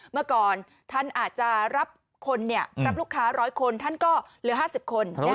เมื่อก่อนท่านอาจจะรับคนรับลูกค้า๑๐๐คนท่านก็เหลือ๕๐คน